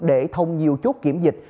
để thông nhiều chốt kiểm dịch